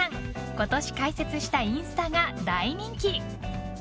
今年開設したインスタが大人気！